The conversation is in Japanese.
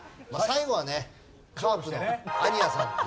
最後はねカープの安仁屋さん。